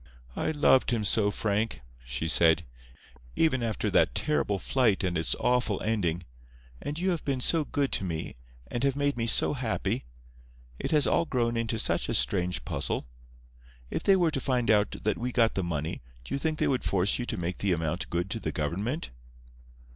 "I loved him so, Frank!" she said, "even after that terrible flight and its awful ending. And you have been so good to me, and have made me so happy. It has all grown into such a strange puzzle. If they were to find out that we got the money do you think they would force you to make the amount good to the government?"